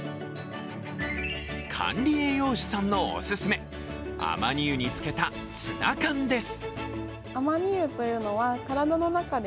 管理栄養士さんのおすすめ亜麻仁油に漬けたツナ缶です。